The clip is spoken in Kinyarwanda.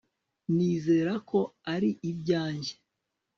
nizera ko ari ibyanjye